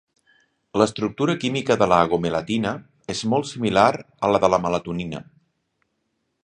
L'estructura química de la agomelatina és molt similar a la de la melatonina.